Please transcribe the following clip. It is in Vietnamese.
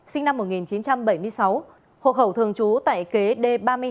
sinh năm một nghìn chín trăm bảy mươi sáu hộ khẩu thường trú tại kế d ba mươi hai